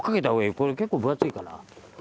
これ結構分厚いから。